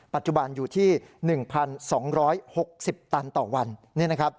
ปัจจุบันอยู่ที่๑๒๖๐ตันต่อวัน